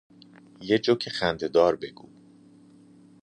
یه جوک خنده دار بگو